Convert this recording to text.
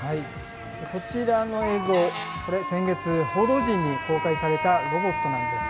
こちらの映像、これ、先月、報道陣に公開されたロボットなんです。